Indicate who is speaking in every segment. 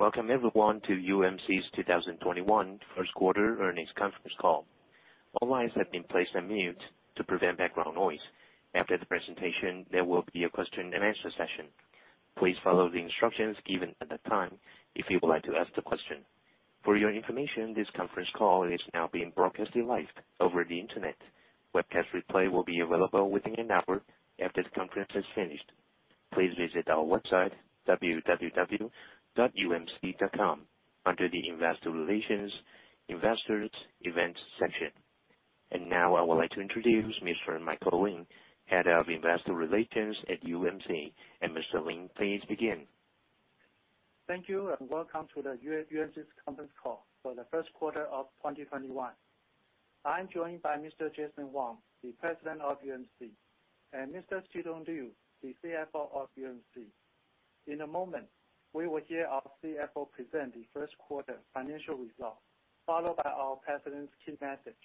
Speaker 1: Welcome, everyone, to UMC's 2021 Q1 Earnings Conference Call. All lines have been placed on mute to prevent background noise. After the presentation, there will be a question-and-answer session. Please follow the instructions given at that time if you would like to ask a question. For your information, this conference call is now being broadcast live over the Internet. Webcast replay will be available within an hour after the conference has finished. Please visit our website, www.umc.com, under the Investor Relations, Investors, Events section. And now, I would like to introduce Mr. Michael Lin, Head of Investor Relations at UMC. And Mr. Lin, please begin.
Speaker 2: Thank you, and welcome to the UMC's conference call for the Q1 of 2021. I'm joined by Mr. Jason Wang, the President of UMC, and Mr. Chitung Liu, the CFO of UMC. In a moment, we will hear our CFO present the Q1 financial results, followed by our President's key message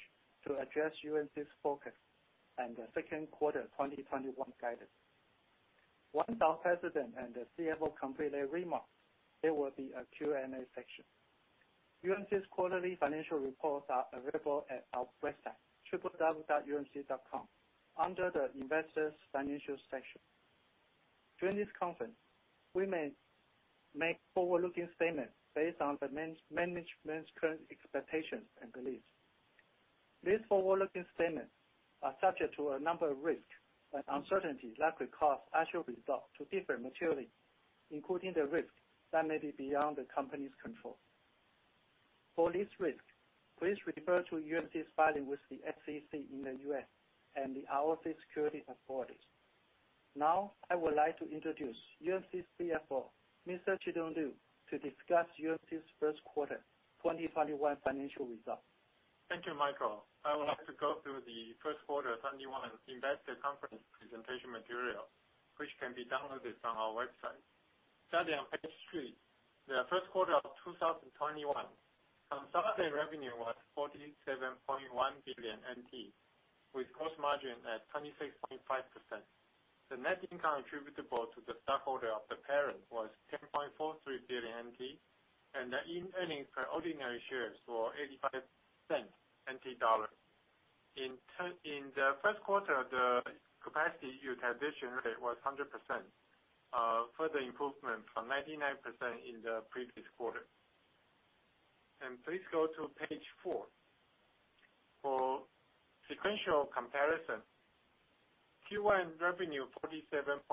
Speaker 2: to address UMC's focus and the Q2 2021 guidance. Once our President and the CFO complete their remarks, there will be a Q&A section. UMC's quarterly financial reports are available at our website, www.umc.com, under the Investor's Financial section. During this conference, we may make forward-looking statements based on the management's current expectations and beliefs. These forward-looking statements are subject to a number of risks and uncertainties that could cause actual results to differ materially, including the risks that may be beyond the company's control. For these risks, please refer to UMC's filing with the SEC in the U.S. and the Overseas Securities Authority. Now, I would like to introduce UMC's CFO, Mr. Chitung Liu, to discuss UMC's Q1 2021 financial results.
Speaker 3: Thank you, Michael. I would like to go through the Q1 2021 Investor Conference presentation material, which can be downloaded from our website. Starting on page three, the Q1 of 2021, consolidated revenue was 47.1 billion NT, with gross margin at 26.5%. The net income attributable to the stockholder of the parent was 10.43 billion NT, and the earnings per ordinary shares were 85.10 NT dollars. In the Q1, the capacity utilization rate was 100%, a further improvement from 99% in the previous quarter. Please go to page four. For sequential comparison, Q1 revenue 47.1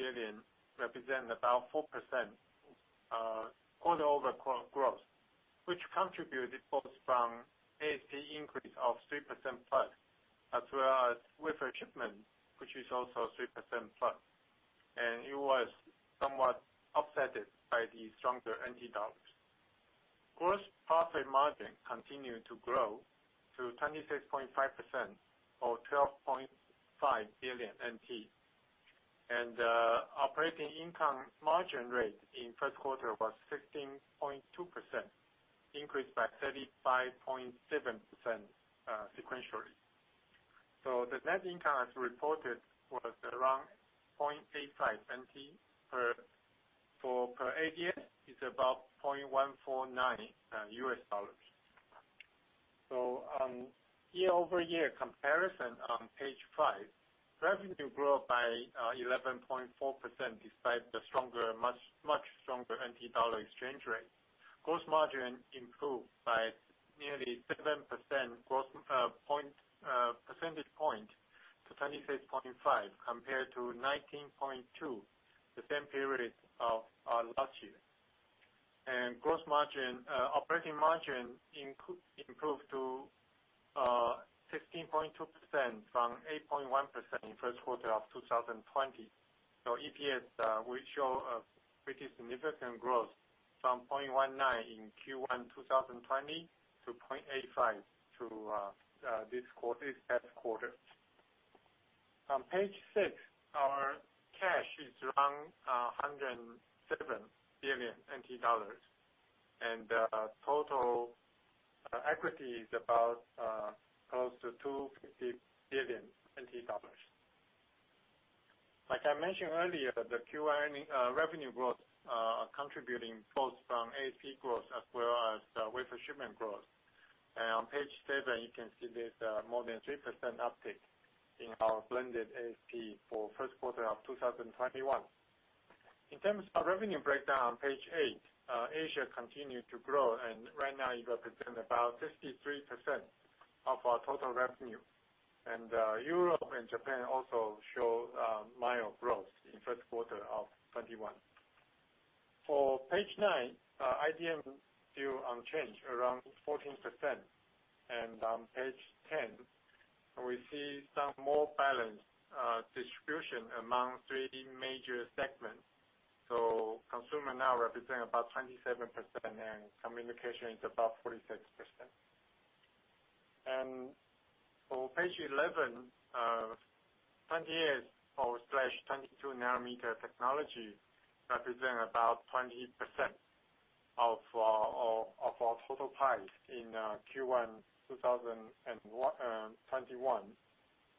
Speaker 3: billion represents about 4% quarter-over-quarter growth, which contributed both from ASP increase of 3% plus, as well as wafer shipment, which is also 3% plus. It was somewhat offset by the stronger NT dollars. Gross profit margin continued to grow to 26.5%, or 12.5 billion NT. The operating income margin rate in Q1 was 16.2%, increased by 35.7% sequentially. The net income as reported was around NT 0.85, whereas for per ADS, it's about $0.149. Year-over-year comparison on page five, revenue grew by 11.4% despite the stronger, much stronger NT dollar exchange rate. Gross margin improved by nearly 7 percentage points to 26.5%, compared to 19.2% the same period of last year. Operating margin improved to 16.2% from 8.1% in Q1 of 2020. EPS will show a pretty significant growth from 0.19 in Q1 2020 to 0.85 this past quarter. On page six, our cash is around NT 107 billion dollars, and the total equity is about close to NT 250 billion dollars. Like I mentioned earlier, the Q1 revenue growth contributed both from ASP growth as well as wafer shipment growth. On page seven, you can see there's more than 3% uptake in our blended ASP for Q1 of 2021. In terms of revenue breakdown on page eight, Asia continued to grow, and right now it represents about 63% of our total revenue. Europe and Japan also showed mild growth in Q1 of 2021. For page nine, IDM still unchanged, around 14%. On page ten, we see some more balanced distribution among three major segments. Consumer now represents about 27%, and communication is about 46%. For page 11, 28- or 22-nanometer technology represents about 20% of our total pie in Q1 2021.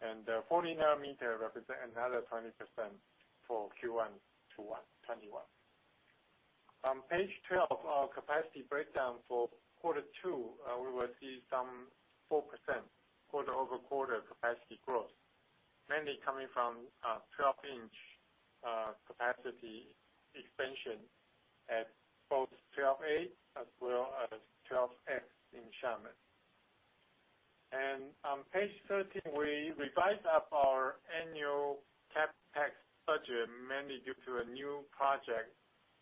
Speaker 3: The 40-nanometer represents another 20% for Q1 2021. On page 12, our capacity breakdown for Quarter Two, we will see some 4% quarter-over-quarter capacity growth, mainly coming from 12-inch capacity expansion at both 12A as well as 12X in Xiamen. And on page 13, we revise our annual CapEx budget, mainly due to a new project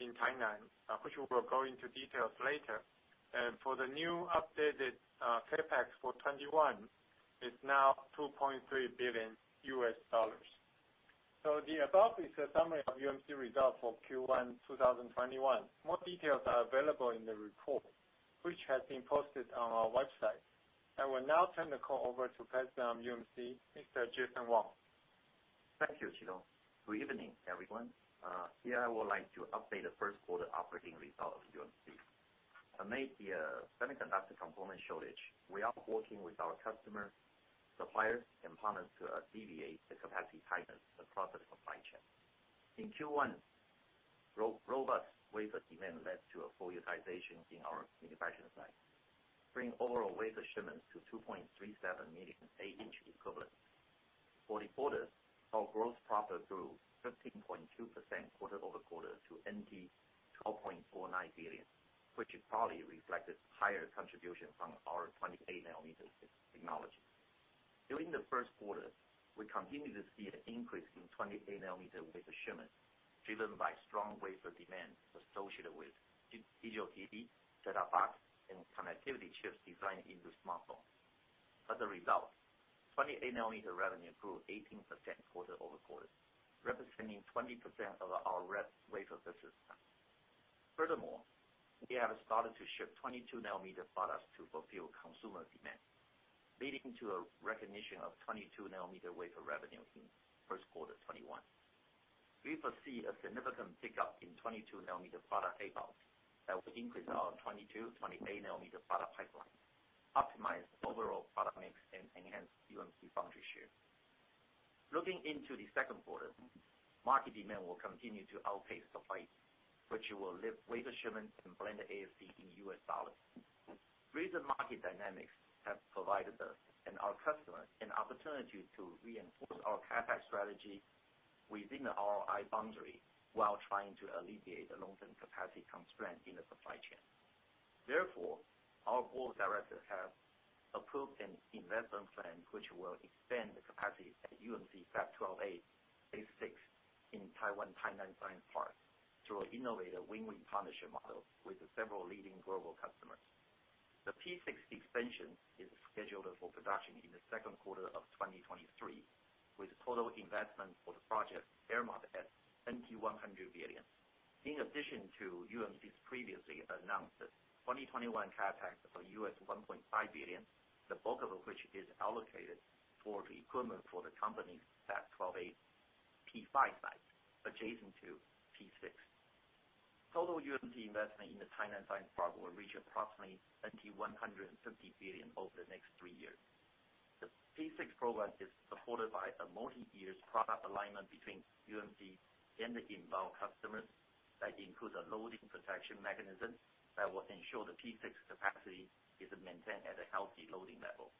Speaker 3: in Thailand, which we will go into details later. And for the new updated CapEx for 2021, it's now $2.3 billion. So the above is a summary of UMC results for Q1 2021. More details are available in the report, which has been posted on our website. I will now turn the call over to President of UMC, Mr. Jason Wang.
Speaker 4: Thank you, Chitung. Good evening, everyone. Here, I would like to update the Q1 operating result of UMC. Amid the semiconductor component shortage, we are working with our customers, suppliers, and partners to alleviate the capacity tightness across the supply chain. In Q1, robust wafer demand led to a full utilization in our manufacturing site, bringing overall wafer shipments to 2.37 million 8-inch equivalents. For the quarter, our gross profit grew 15.2% quarter-over-quarter to 12.49 billion, which is probably reflected higher contribution from our 28-nanometer technology. During the Q1, we continue to see an increase in 28-nanometer wafer shipments, driven by strong wafer demand associated with digital TV, set-top box, and connectivity chips designed into smartphones. As a result, 28-nanometer revenue grew 18% quarter-over-quarter, representing 20% of our wafer business. Furthermore, we have started to ship 22-nanometer products to fulfill consumer demand, leading to a recognition of 22-nanometer wafer revenue in Q1 2021. We foresee a significant pickup in 22-nanometer product payouts that will increase our 22-28-nanometer product pipeline, optimize overall product mix, and enhance UMC foundry share. Looking into the Q2, market demand will continue to outpace supply, which will lift wafer shipments and blended ASP in U.S. dollars. Recent market dynamics have provided our customers an opportunity to reinforce our CapEx strategy within our high boundary while trying to alleviate the long-term capacity constraint in the supply chain. Therefore, our board of directors have approved an investment plan which will expand the capacity at UMC Fab 12A, Phase Six, in Taiwan's Tainan Science Park through an innovative win-win partnership model with several leading global customers. The Phase Six expansion is scheduled for production in the Q2 of 2023, with total investment for the project earmarked at NT 100 billion. In addition to UMC's previously announced 2021 CapEx of $1.5 billion, the bulk of which is allocated towards equipment for the company's Fab 12A P5 site, adjacent to Phase Six. Total UMC investment in the Tainan Science Park will reach approximately NT 150 billion over the next three years. The Phase Six program is supported by a multi-year product alignment between UMC and the involved customers that includes a loading protection mechanism that will ensure the Phase Six capacity is maintained at a healthy loading level.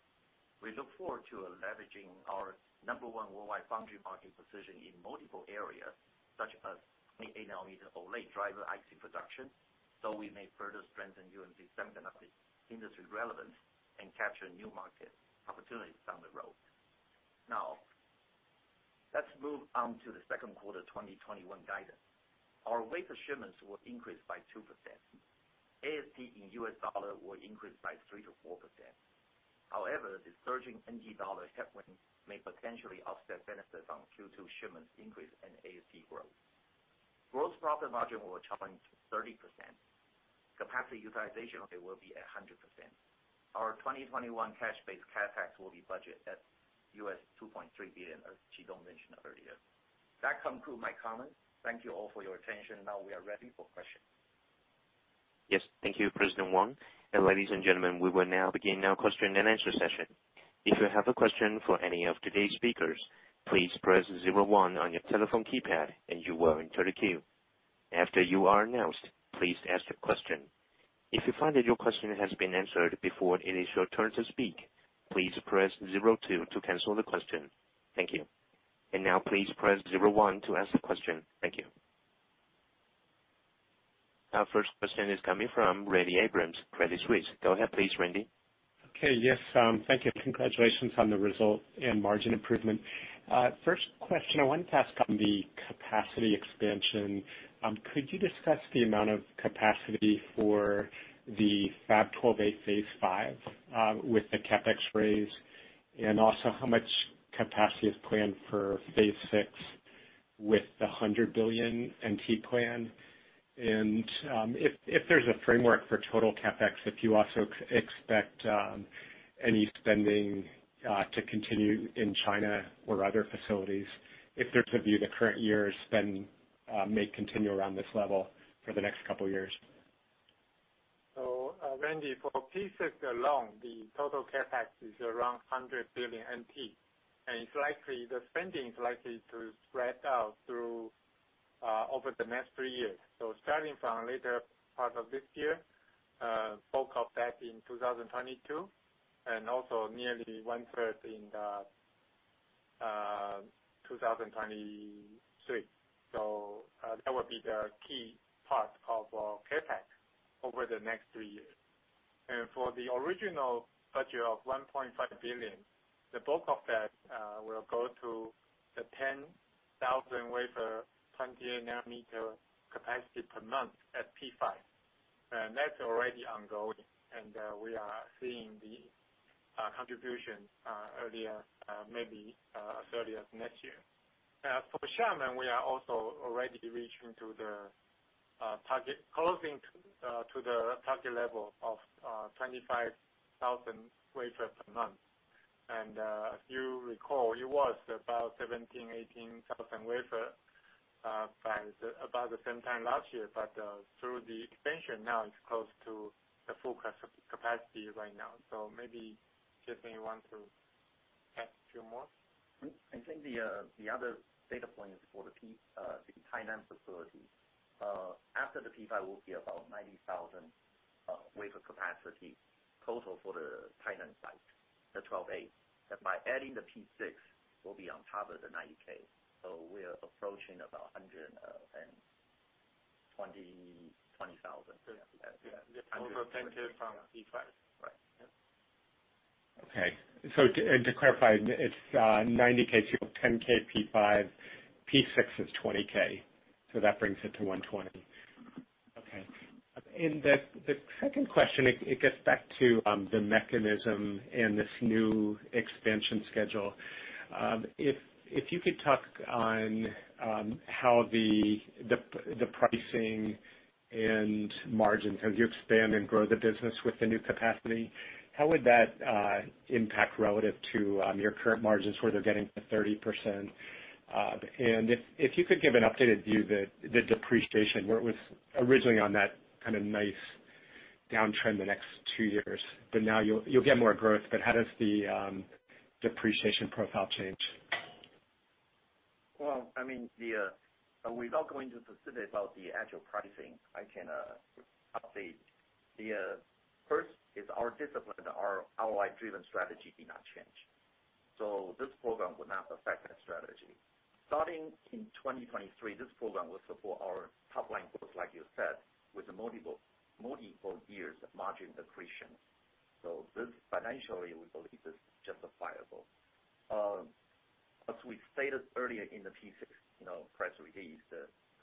Speaker 4: We look forward to leveraging our number one worldwide foundry market position in multiple areas, such as 28-nanometer OLED driver IC production, so we may further strengthen UMC's semiconductor industry relevance and capture new market opportunities down the road. Now, let's move on to the Q2 2021 guidance. Our wafer shipments will increase by 2%. ASP in U.S. dollars will increase by 3%-4%. However, the surging NT dollar headwind may potentially offset benefits on Q2 shipments increase and ASP growth. Gross profit margin will challenge 30%. Capacity utilization rate will be at 100%. Our 2021 cash-based CapEx will be budgeted at $2.3 billion, as Chitung mentioned earlier. That concludes my comments. Thank you all for your attention. Now, we are ready for questions.
Speaker 1: Yes. Thank you, President Wang. And ladies and gentlemen, we will now begin our question-and-answer session. If you have a question for any of today's speakers, please press 01 on your telephone keypad, and you will enter the queue. After you are announced, please ask your question. If you find that your question has been answered before it is your turn to speak, please press 02 to cancel the question. Thank you. And now, please press 01 to ask the question. Thank you. Our first question is coming from Randy Abrams, Credit Suisse. Go ahead, please, Randy.
Speaker 5: Okay. Yes. Thank you. Congratulations on the result and margin improvement. First question, I wanted to ask on the capacity expansion. Could you discuss the amount of capacity for the Fab 12A Phase Five with the CapEx raised, and also how much capacity is planned for Phase Six with the 100 billion NT plan? And if there's a framework for total CapEx, if you also expect any spending to continue in China or other facilities, if there's a view the current year spend may continue around this level for the next couple of years.
Speaker 3: Randy, for Phase Six alone, the total CapEx is around 100 billion NT, and the spending is likely to spread out over the next three years. Starting from later part of this year, bulk of that in 2022, and also nearly one-third in 2023. That will be the key part of CapEx over the next three years. For the original budget of 1.5 billion, the bulk of that will go to the 10,000 wafer 28-nanometer capacity per month at P5. That's already ongoing, and we are seeing the contribution earlier, maybe as early as next year. Now, for Xiamen, we are also already reaching to the target, closing to the target level of 25,000 wafer per month. If you recall, it was about 17,000-18,000 wafers by about the same time last year, but through the expansion, now it's close to the full capacity right now. Maybe Jason, you want to add a few more?
Speaker 4: I think the other data point is for the Tainan facility. After the P5, we'll see about 90,000 wafer capacity total for the Taiwan site, the 12A. And by adding the P6, we'll be on top of the 90K. So we're approaching about 120,000.
Speaker 3: It's also 10-K from P5.
Speaker 4: Right. Yeah.
Speaker 5: Okay. And to clarify, it's 90K to 10K P5. P6 is 20K. So that brings it to 120. Okay. And the second question, it gets back to the mechanism and this new expansion schedule. If you could talk on how the pricing and margins, as you expand and grow the business with the new capacity, how would that impact relative to your current margins where they're getting to 30%? And if you could give an updated view of the depreciation, where it was originally on that kind of nice downtrend the next two years, but now you'll get more growth, but how does the depreciation profile change?
Speaker 4: I mean, without going into specifics about the actual pricing, I can update. First, our discipline, our outline-driven strategy, did not change, so this program will not affect that strategy. Starting in 2023, this program will support our top-line growth, like you said, with multiple years of margin accretion, so financially, we believe this is justifiable. As we stated earlier in the P6 press release,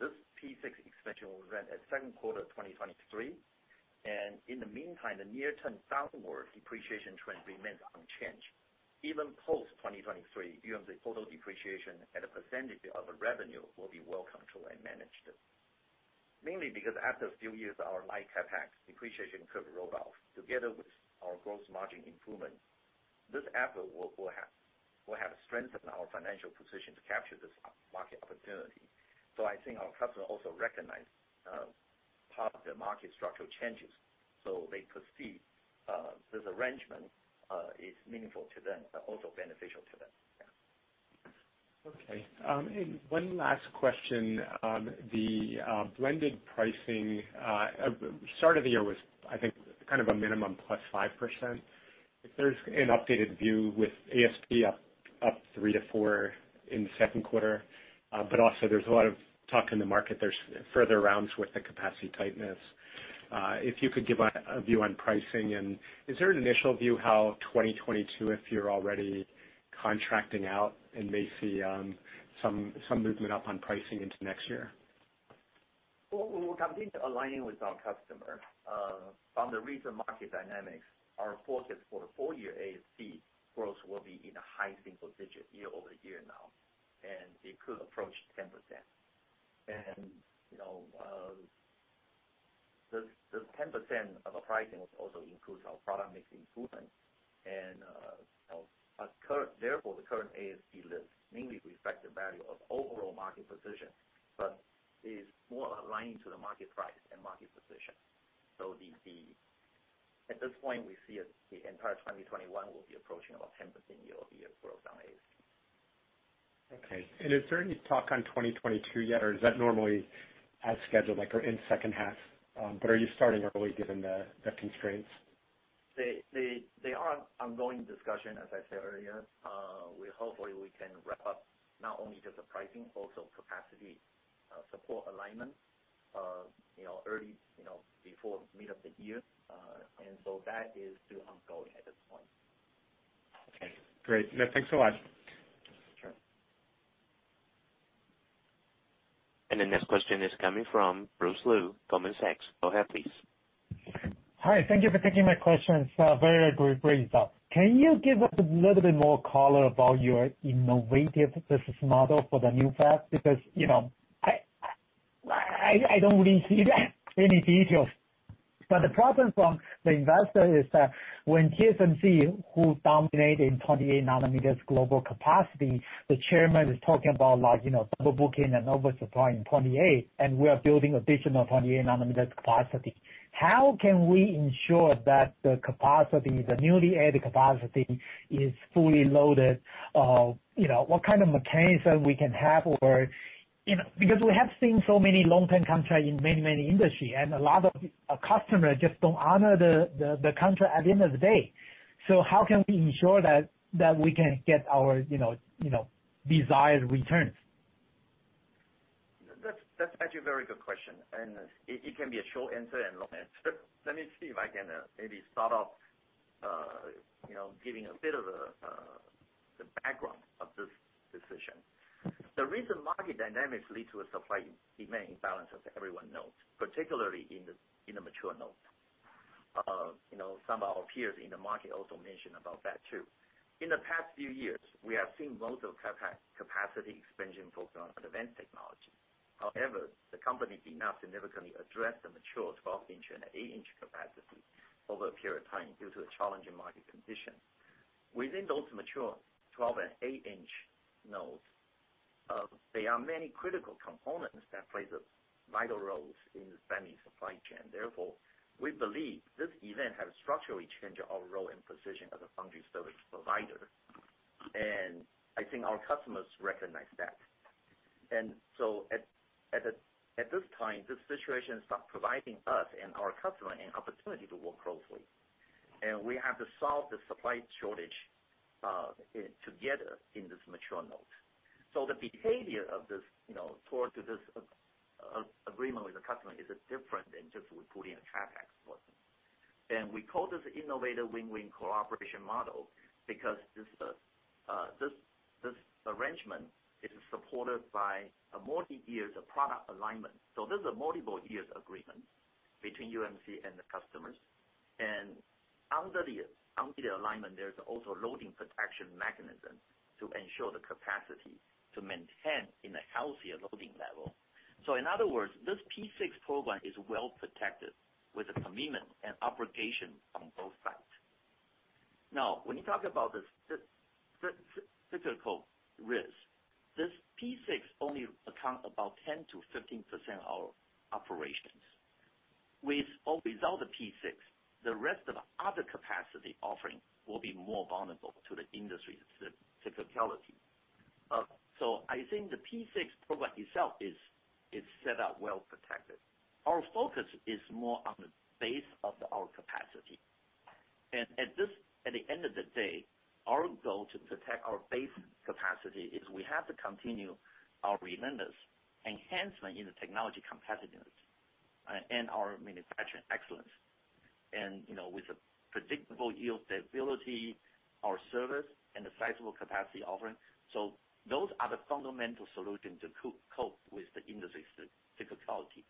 Speaker 4: this P6 expansion will run at Q2 2023, and in the meantime, the near-term downward depreciation trend remains unchanged. Even post-2023, UMC's total depreciation at a percentage of the revenue will be well-controlled and managed, mainly because after a few years, our light CapEx depreciation curve rolled off together with our gross margin improvement. This effort will have strengthened our financial position to capture this market opportunity, so I think our customers also recognize part of the market structural changes. So they perceive this arrangement is meaningful to them, but also beneficial to them. Yeah.
Speaker 5: Okay. One last question. The blended pricing start of the year was, I think, kind of a minimum plus 5%. If there's an updated view with ASP up 3%-4% in the Q2, but also there's a lot of talk in the market, there's further rounds with the capacity tightness. If you could give a view on pricing, and is there an initial view how 2022, if you're already contracting out and may see some movement up on pricing into next year? We will continue aligning with our customers. From the recent market dynamics, our forecast for the four-year ASP growth will be in a high single-digit year-over-year now, and it could approach 10%, and the 10% of the pricing will also include our product mix improvement, and therefore, the current ASP lift mainly reflects the value of overall market position, but it's more aligned to the market price and market position, so at this point, we see the entire 2021 will be approaching about 10% year-over-year growth on ASP. Okay, and is there any talk on 2022 yet, or is that normally as scheduled or in second half, but are you starting early given the constraints?
Speaker 4: They are ongoing discussion, as I said earlier. Hopefully, we can wrap up not only just the pricing, also capacity support alignment early before mid of the year, and so that is still ongoing at this point.
Speaker 5: Okay. Great. No, thanks a lot.
Speaker 4: Sure.
Speaker 1: The next question is coming from Bruce Lu, Goldman Sachs. Go ahead, please.
Speaker 6: Hi. Thank you for taking my question. It's very brief. Can you give us a little bit more color about your innovative business model for the new fab? Because I don't really see any details. But the problem from the investor is that when TSMC, who dominates in 28-nanometer global capacity, the chairman is talking about double booking and oversupply in 28, and we are building additional 28-nanometer capacity. How can we ensure that the newly added capacity is fully loaded? What kind of mechanism we can have? Because we have seen so many long-term contracts in many, many industries, and a lot of customers just don't honor the contract at the end of the day. So how can we ensure that we can get our desired returns?
Speaker 4: That's actually a very good question. And it can be a short answer and a long answer. Let me see if I can maybe start off giving a bit of the background of this decision. The recent market dynamics lead to a supply-demand imbalance, as everyone knows, particularly in the mature node. Some of our peers in the market also mentioned about that too. In the past few years, we have seen most of CapEx capacity expansion focused on advanced technology. However, the company did not significantly address the mature 12-inch and 8-inch capacity over a period of time due to the challenging market conditions. Within those mature 12 and 8-inch nodes, there are many critical components that play vital roles in the semi-supply chain. Therefore, we believe this event has structurally changed our role and position as a foundry service provider. And I think our customers recognize that. And so at this time, this situation is providing us and our customers an opportunity to work closely. And we have to solve the supply shortage together in this mature node. So the behavior of this towards this agreement with the customer is different than just reporting a CapEx for them. And we call this an innovative win-win collaboration model because this arrangement is supported by multi-years of product alignment. So this is a multiple-years agreement between UMC and the customers. And under the alignment, there's also a loading protection mechanism to ensure the capacity to maintain a healthier loading level. So in other words, this P6 program is well protected with a commitment and obligation on both sides. Now, when you talk about the cyclical risk, this P6 only accounts for about 10%-15% of our operations. With all the P6, the rest of the other capacity offerings will be more vulnerable to the industry's cyclicality. So I think the P6 program itself is set up well protected. Our focus is more on the base of our capacity. And at the end of the day, our goal to protect our base capacity is we have to continue our relentless enhancement in the technology competitiveness and our manufacturing excellence. And with predictable yield stability, our service, and the sizable capacity offering. So those are the fundamental solutions to cope with the industry's cyclicality.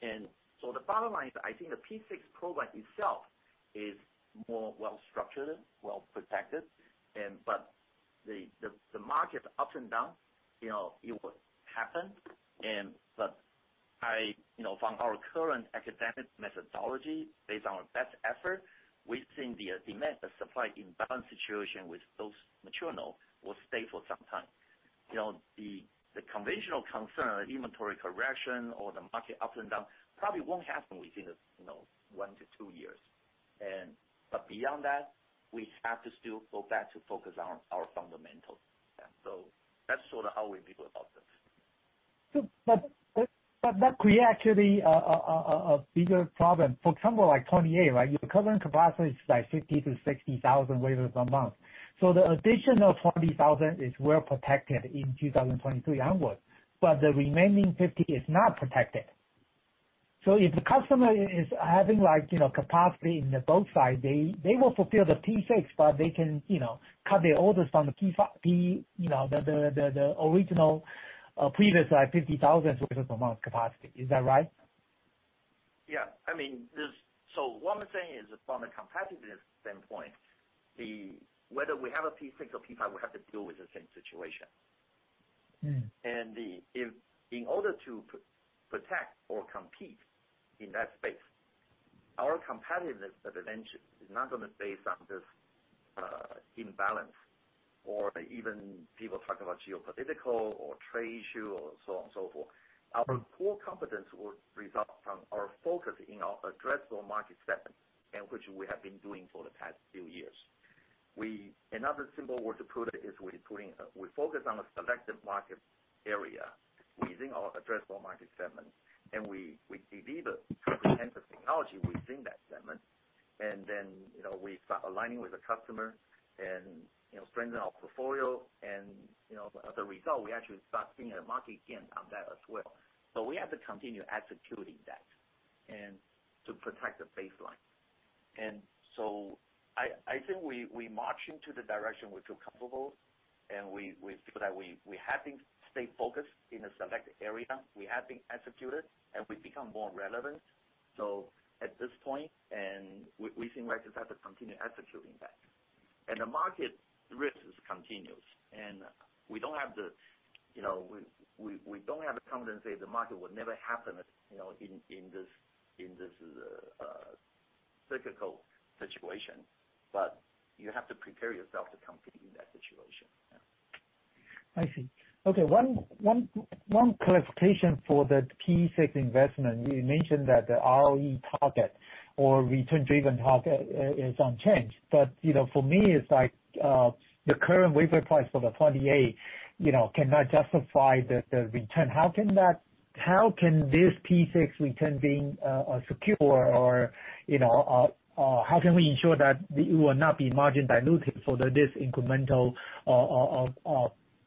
Speaker 4: And so the bottom line is I think the P6 program itself is more well-structured, well-protected, but the market ups and downs, it will happen. But from our current economic methodology, based on our best effort, we've seen the demand and supply imbalance situation with those mature nodes will stay for some time. The conventional concern of inventory correction or the market ups and downs probably won't happen within one to two years. But beyond that, we have to still go back to focus on our fundamentals. So that's sort of how we view about this.
Speaker 6: But that creates actually a bigger problem. For example, like 28, right? Your current capacity is like 50,000-60,000 wafers a month. So the additional 20,000 is well protected in 2023 onward, but the remaining 50 is not protected. So if the customer is having capacity in both sides, they will fulfill the P6, but they can cut their orders from the original previous 50,000 wafers a month capacity. Is that right?
Speaker 4: Yeah. I mean, so one thing is from a competitive standpoint, whether we have a P6 or P5, we have to deal with the same situation, and in order to protect or compete in that space, our competitiveness advantage is not going to be based on this imbalance or even people talk about geopolitical or trade issues or so on and so forth. Our core competence will result from our focus in our addressable market segment, which we have been doing for the past few years. In other simple words, to put it, we focus on a selective market area within our addressable market segment, and we deliver comprehensive technology within that segment, and then we start aligning with the customer and strengthen our portfolio, and as a result, we actually start seeing a market gain on that as well. So we have to continue executing that to protect the baseline. And so I think we march into the direction we feel comfortable, and we feel that we have been staying focused in a select area. We have been executed, and we've become more relevant. So at this point, and we think we have to continue executing that. And the market risk is continuous. And we don't have the confidence to say the market will never happen in this cyclical situation. But you have to prepare yourself to compete in that situation.
Speaker 6: I see. Okay. One clarification for the P6 investment. You mentioned that the ROE target or return-driven target is unchanged. But for me, it's like the current wafer price for the 28 cannot justify the return. How can this P6 return being secure, or how can we ensure that it will not be margin diluted for this incremental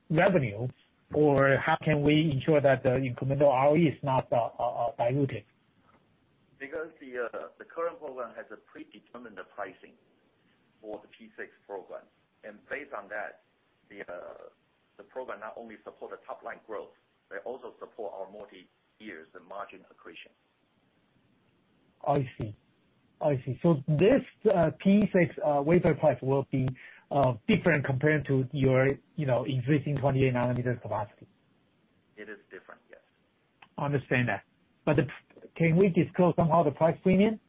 Speaker 6: revenue, or how can we ensure that the incremental ROE is not diluted?
Speaker 4: Because the current program has a predetermined pricing for the P6 program, and based on that, the program not only supports the top-line growth, they also support our multi-years margin accretion.
Speaker 6: I see. I see. So this P6 wafer price will be different compared to your existing 28-nanometer capacity?
Speaker 4: It is different, yes.
Speaker 6: I understand that, but can we disclose somehow the price premium?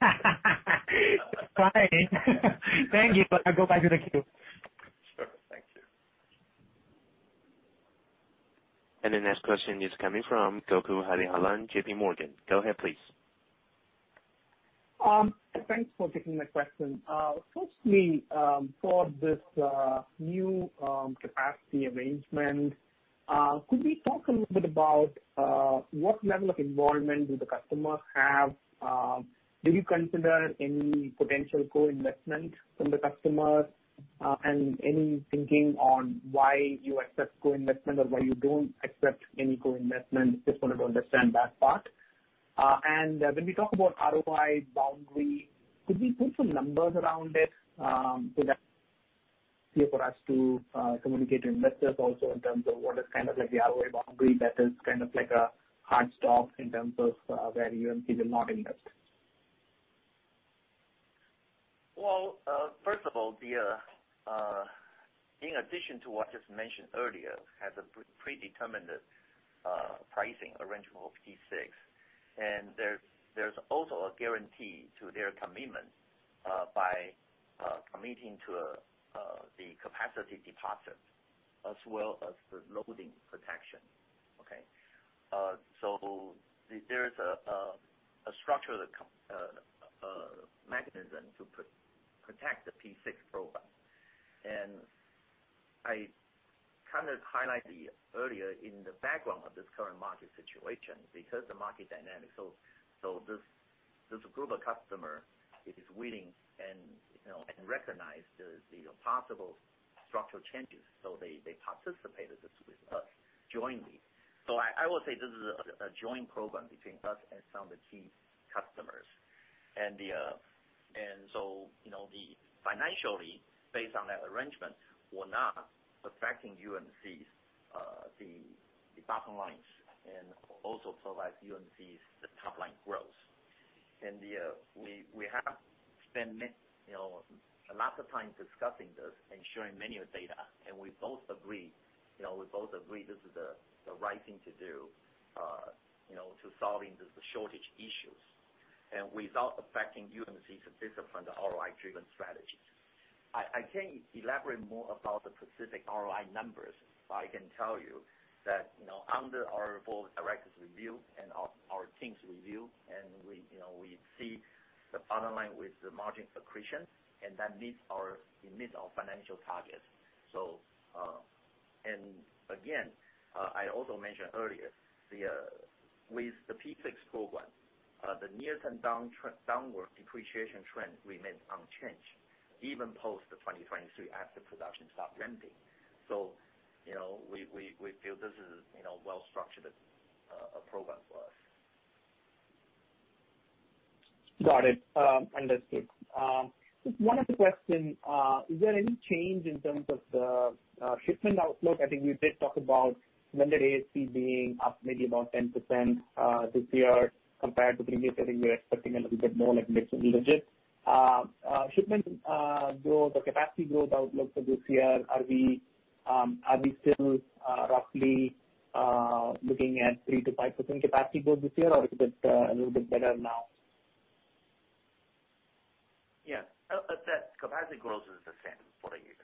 Speaker 4: We can't.
Speaker 6: Fine. Thank you. I'll go back to the queue.
Speaker 4: Sure. Thank you.
Speaker 1: The next question is coming from Gokul Hariharan, J.P. Morgan. Go ahead, please.
Speaker 7: Thanks for taking the question. Firstly, for this new capacity arrangement, could we talk a little bit about what level of involvement do the customers have? Do you consider any potential co-investment from the customers? And any thinking on why you accept co-investment or why you don't accept any co-investment? Just wanted to understand that part. And when we talk about ROI boundary, could we put some numbers around it so that it's clear for us to communicate to investors also in terms of what is kind of the ROI boundary that is kind of a hard stop in terms of where UMC will not invest?
Speaker 4: Well, first of all, in addition to what I just mentioned earlier, it has a predetermined pricing arrangement for P6. And there's also a guarantee to their commitment by committing to the capacity deposit as well as the loading protection. Okay? So there's a structural mechanism to protect the P6 program. And I kind of highlighted earlier in the background of this current market situation because the market dynamics, so this group of customers is willing and recognizes the possible structural changes. So they participated with us jointly. So I would say this is a joint program between us and some of the key customers. And so financially, based on that arrangement, we're not affecting UMC's bottom lines and also provide UMC's top-line growth. And we have spent lots of time discussing this and sharing many data. And we both agree. We both agree this is the right thing to do to solve the shortage issues without affecting UMC's discipline, the ROI-driven strategies. I can't elaborate more about the specific ROI numbers, but I can tell you that under our board of directors' review and our team's review, we see the bottom line with the margin accretion, and that meets our financial target, and again, I also mentioned earlier, with the P6 program, the near-term downward depreciation trend remains unchanged even post 2023 after production stopped ramping, so we feel this is a well-structured program for us.
Speaker 7: Got it. Understood. One other question. Is there any change in terms of the shipment outlook? I think we did talk about limited ASP being up maybe about 10% this year compared to previously. I think we were expecting a little bit more like mid-teens. Shipment growth or capacity growth outlook for this year, are we still roughly looking at 3%-5% capacity growth this year, or is it a little bit better now?
Speaker 4: Yes. Capacity growth is the same for the year.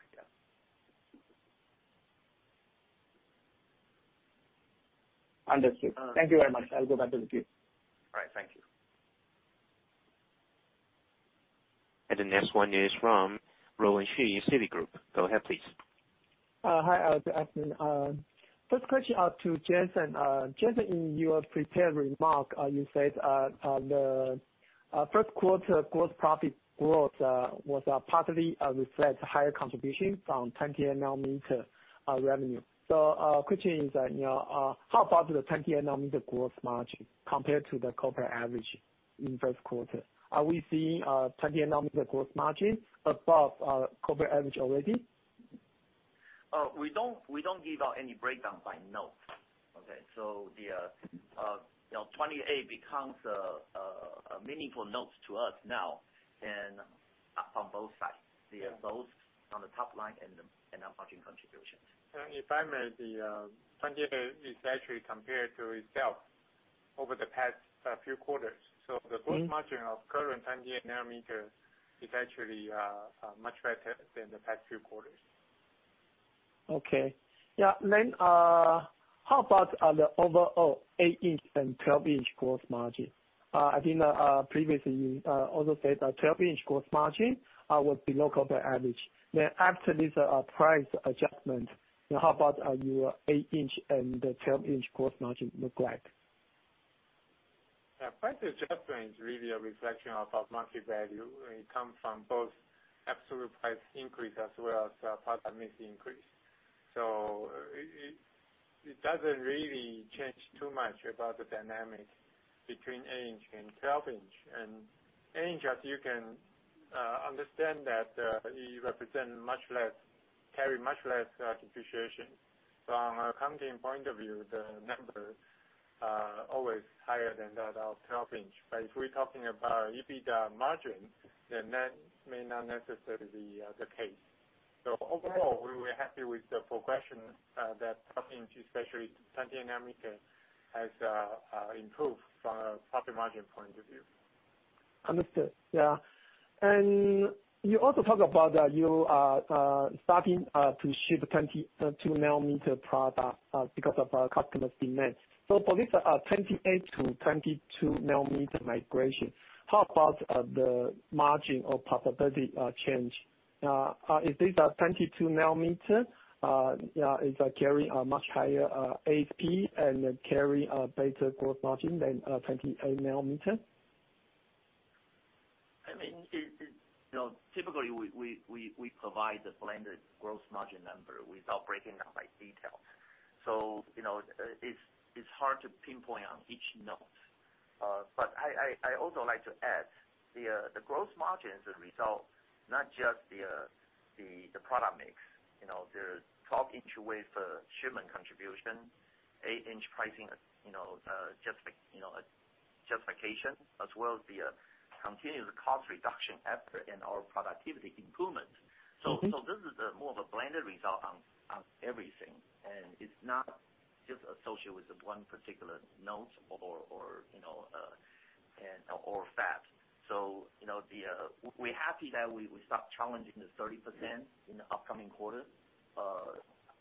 Speaker 4: Yeah.
Speaker 7: Understood. Thank you very much. I'll go back to the queue.
Speaker 4: All right. Thank you.
Speaker 1: The next one is from Roland Shu, Citigroup. Go ahead, please.
Speaker 8: Hi. First question to Jason. Jason, in your prepared remark, you said the Q1 gross profit growth was partly reflects higher contribution from 28-nanometer revenue, so the question is, how about the 28-nanometer gross margin compared to the corporate average in Q1? Are we seeing a 28-nanometer gross margin above corporate average already?
Speaker 4: We don't give out any breakdown by node. Okay? So the 28 becomes a meaningful node to us now on both sides, both on the top line and our margin contributions.
Speaker 3: If I may, the 28 is actually compared to itself over the past few quarters. So the gross margin of current 28-nanometer is actually much better than the past few quarters.
Speaker 8: Okay. Yeah. Then how about the overall 8-inch and 12-inch gross margin? I think previously you also said 12-inch gross margin would be lower compared to average. Then after this price adjustment, how about your 8-inch and 12-inch gross margin look like?
Speaker 4: Yeah. Price adjustment is really a reflection of our market value. It comes from both absolute price increase as well as part of mix increase. So it doesn't really change too much about the dynamic between 8-inch and 12-inch. And 8-inch, as you can understand, that represents much less, carry much less depreciation. So on our accounting point of view, the number is always higher than that of 12-inch. But if we're talking about EBITDA margin, then that may not necessarily be the case. So overall, we were happy with the progression that 12-inch, especially 28-nanometer, has improved from a profit margin point of view.
Speaker 8: Understood. Yeah. And you also talked about you starting to ship 22-nanometer product because of customer's demand. So for this 28 to 22-nanometer migration, how about the margin or profitability change? Is this 22-nanometer carrying a much higher ASP and carrying a better gross margin than 28-nanometer?
Speaker 4: I mean, typically, we provide the blended gross margin number without breaking down by detail. So it's hard to pinpoint on each node. But I also like to add the gross margin is a result, not just the product mix. The 12-inch wafer shipment contribution, 8-inch pricing justification, as well as the continuous cost reduction effort and our productivity improvement. So this is more of a blended result on everything. And it's not just associated with one particular node or fact. So we're happy that we start challenging the 30% in the upcoming quarter.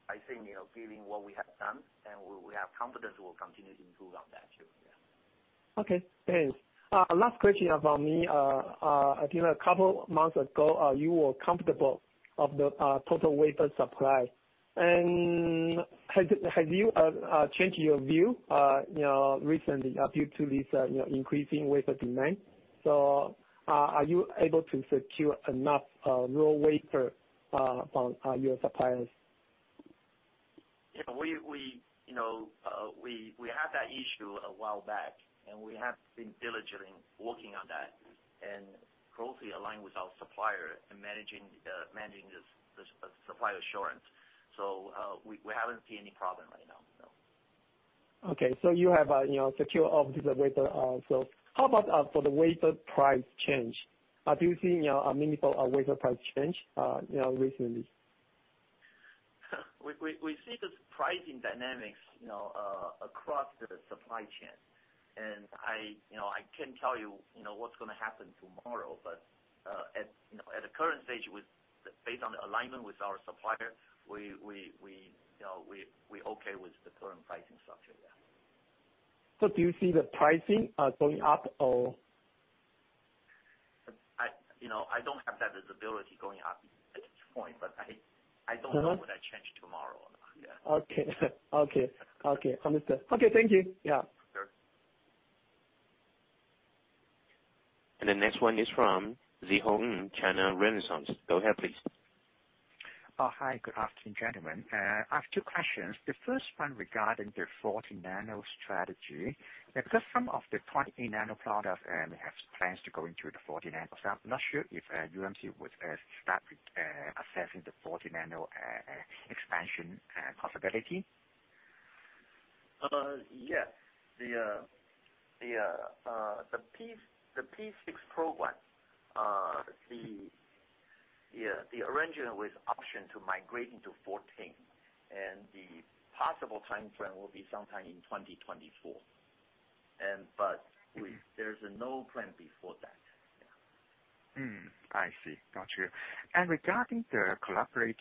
Speaker 4: I think given what we have done and we have confidence, we'll continue to improve on that too. Yeah.
Speaker 8: Okay. Thanks. Last question from me. I think a couple of months ago, you were comfortable with the total wafer supply, and have you changed your view recently due to this increasing wafer demand, so are you able to secure enough raw wafer from your suppliers?
Speaker 4: Yeah. We had that issue a while back, and we have been diligently working on that and closely aligned with our supplier and managing the supply assurance. So we haven't seen any problem right now. No.
Speaker 8: Okay. So you have secured all of these wafer also. How about for the wafer price change? Do you see a meaningful wafer price change recently?
Speaker 4: We see the pricing dynamics across the supply chain, and I can't tell you what's going to happen tomorrow, but at the current stage, based on the alignment with our supplier, we're okay with the current pricing structure. Yeah.
Speaker 8: So do you see the pricing going up or?
Speaker 4: I don't have that visibility going up at this point, but I don't know whether that changes tomorrow or not. Yeah.
Speaker 8: Okay. Understood. Okay. Thank you. Yeah.
Speaker 4: Sure.
Speaker 1: The next one is from Szeho Ng, China Renaissance. Go ahead, please.
Speaker 9: Hi. Good afternoon, gentlemen. I have two questions. The first one regarding the 40-nanometer strategy. Because some of the 28-nanometer products have plans to go into the 40-nanometer, I'm not sure if UMC would start assessing the 40-nanometer expansion possibility.
Speaker 4: Yes. The P6 program, the arrangement with option to migrate into 14, and the possible timeframe will be sometime in 2024. But there's no plan before that. Yeah.
Speaker 9: I see. Gotcha. And regarding the collaborative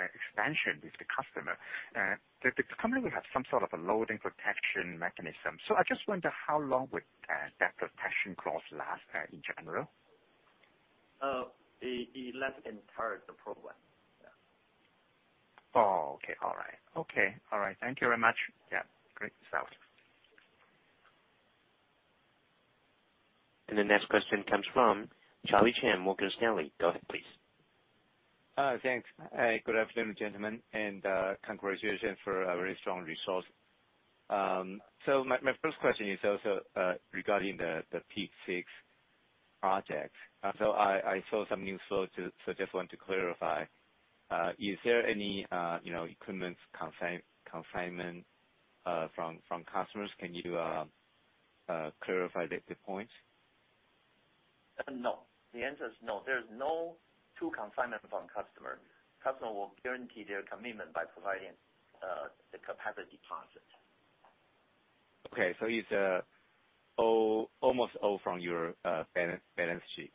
Speaker 9: expansion with the customer, the company will have some sort of a loading protection mechanism. So I just wonder how long would that protection clause last in general?
Speaker 4: It lasts entirely the program. Yeah.
Speaker 1: Thank you very much. Yeah. Great. Sounds. And the next question comes from Charlie Chan, Morgan Stanley. Go ahead, please.
Speaker 10: Thanks. Good afternoon, gentlemen, and congratulations for a very strong results. So my first question is also regarding the P6 project. So I saw some news flow, so I just want to clarify. Is there any equipment consignment from customers? Can you clarify the points?
Speaker 3: No. The answer is no. There's no true consignment from customer. Customer will guarantee their commitment by providing the capacity deposit.
Speaker 10: Okay. So it's almost all from your balance sheet?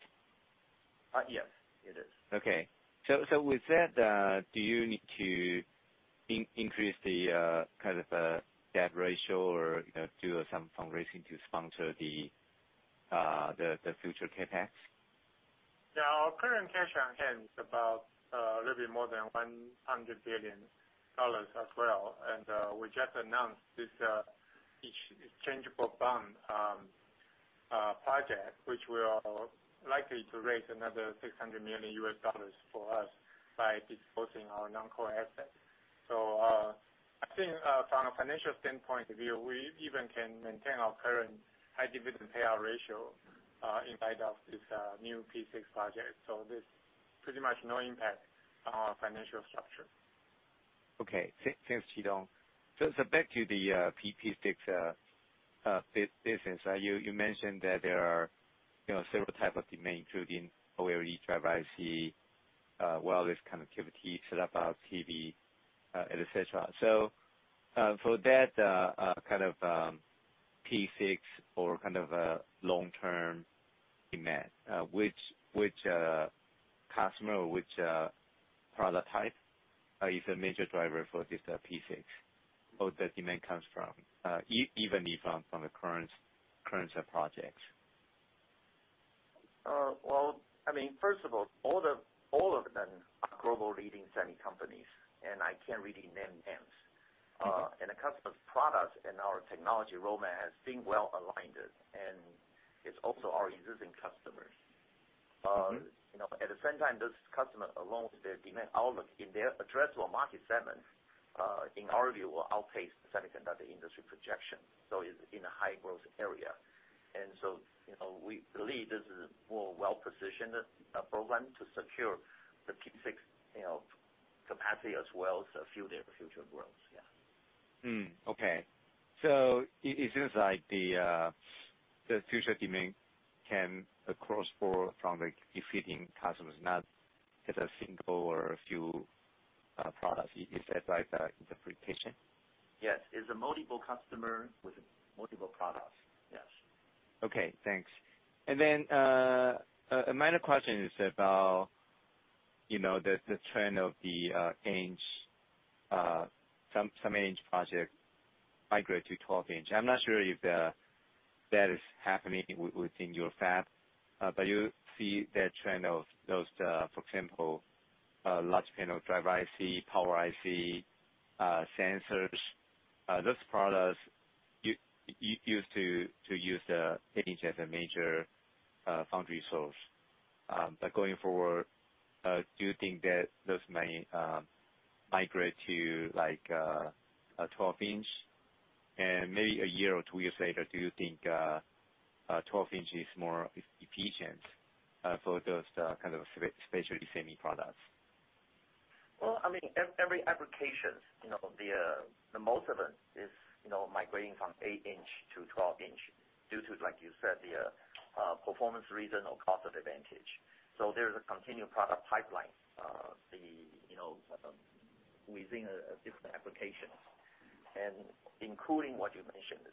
Speaker 3: Yes, it is.
Speaker 10: Okay. So with that, do you need to increase the kind of debt ratio or do some fundraising to sponsor the future CapEx?
Speaker 3: Yeah. Our current cash on hand is about a little bit more than $100 billion as well. And we just announced this exchangeable bond project, which will likely raise another $600 million for us by disposing of our non-core assets. So I think from a financial standpoint of view, we even can maintain our current high dividend payout ratio in light of this new P6 project. So there's pretty much no impact on our financial structure.
Speaker 10: Okay. Thanks, Chitung. So back to the P6 business, you mentioned that there are several types of demand, including OLED driver IC, wireless connectivity, set-top box, etc. So for that kind of P6 or kind of long-term demand, which customer or which product type is a major driver for this P6? Or the demand comes from, even from the current projects?
Speaker 3: Well, I mean, first of all, all of them are global leading semi companies, and I can't really name names. And the customer's product and our technology roadmap has been well aligned, and it's also our existing customers. At the same time, this customer, along with their demand outlook in their addressable market segment, in our view, will outpace the semiconductor industry projection. So it's in a high-growth area. And so we believe this is a more well-positioned program to secure the P6 capacity as well as a few of their future growth. Yeah.
Speaker 10: Okay. So it seems like the future demand comes across from the different customers, not just a single or a few products. Is that the right interpretation?
Speaker 3: Yes. It's a multiple customer with multiple products. Yes.
Speaker 10: Okay. Thanks. And then a minor question is about the trend of the 8-inch semiconductor project migrate to 12-inch. I'm not sure if that is happening within your fab, but you see that trend of those, for example, large panel driver IC, power IC, sensors. Those products used to use the 8-inch as a major foundry source. But going forward, do you think that those might migrate to 12-inch? And maybe a year or two years later, do you think 12-inch is more efficient for those kind of specialty semi products?
Speaker 4: I mean, every application, the most of it is migrating from 8-inch to 12-inch due to, like you said, the performance reason or cost advantage. There's a continued product pipeline within different applications, including what you mentioned.